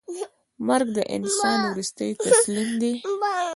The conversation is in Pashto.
مرګ د انسان وروستۍ تسلیم ده.